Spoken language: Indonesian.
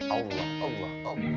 allah allah allah